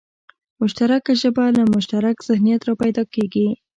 مشترکه ژبه له مشترک ذهنیت راپیدا کېږي